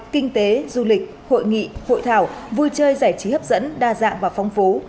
kinh tế du lịch hội nghị hội thảo vui chơi giải trí hấp dẫn đa dạng và phong phú